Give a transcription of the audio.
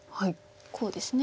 こうですね。